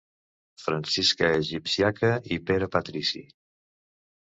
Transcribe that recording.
Francisca Egipcíaca i Pere Patrici.